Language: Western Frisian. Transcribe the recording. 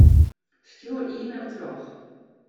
Stjoer e-mail troch.